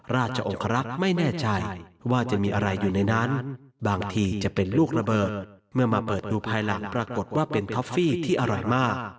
ราชองครักษ์ไม่แน่ใจว่าจะมีอะไรอยู่ในนั้นบางทีจะเป็นลูกระเบิดเมื่อมาเปิดดูภายหลังปรากฏว่าเป็นท็อฟฟี่ที่อร่อยมาก